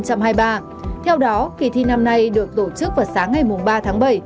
theo đó kỳ thi năm nay được tổ chức vào sáng ngày ba tháng bảy